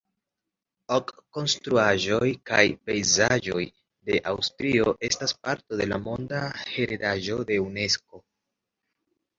Ok konstruaĵoj kaj pejzaĝoj de Aŭstrio estas parto de la Monda heredaĵo de Unesko.